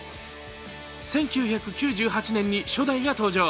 １９９８年に初代が登場。